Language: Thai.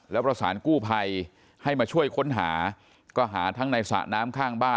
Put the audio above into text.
แล้วประสานกู้ภัยให้มาช่วยค้นหาก็หาทั้งในสระน้ำข้างบ้าน